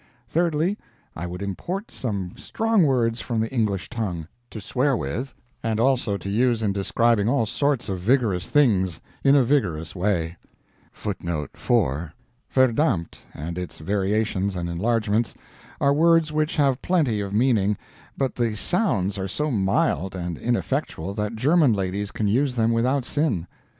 Thirdly, I would import some strong words from the English tongue to swear with, and also to use in describing all sorts of vigorous things in a vigorous way. 1. "Verdammt," and its variations and enlargements, are words which have plenty of meaning, but the SOUNDS are so mild and ineffectual that German ladies can use them without sin.